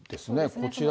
こちらは。